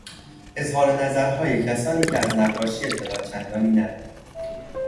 اظهار نظرهای کسانی که از نقاشی اطلاع چندانی ندارند